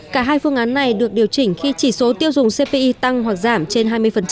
cả hai phương án này được điều chỉnh khi chỉ số tiêu dùng cpi tăng hoặc giảm trên hai mươi